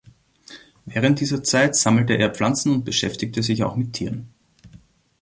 Während dieser Zeit sammelte er Pflanzen und beschäftigte sich auch mit Tieren.